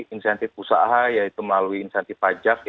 insentif usaha yaitu melalui insentif pajak